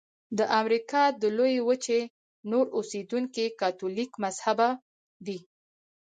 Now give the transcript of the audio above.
د امریکا د لویې وچې نور اوسیدونکي کاتولیک مذهبه دي.